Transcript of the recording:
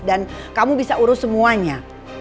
dan kamu bisa urus semuanya